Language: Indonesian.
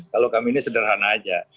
kalau kami ini sederhana aja